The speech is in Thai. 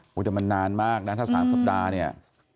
โอ้โหแต่มันนานมากนะถ้า๓สัปดาห์เนี่ย